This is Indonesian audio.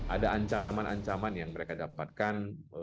ada ancaman ancaman yang mereka dapatkan